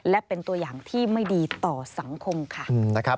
และเป็นตัวอย่างที่ไม่ดีต่อสังคมค่ะ